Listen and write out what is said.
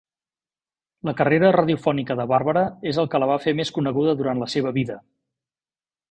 La carrera radiofònica de Barbara és el que la va fer més coneguda durant la seva vida.